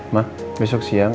ma besok siang